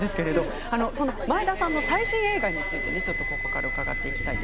そんな前田さんの最新映画について、ここから伺っていきます。